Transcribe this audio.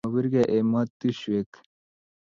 mabirgei ematushwek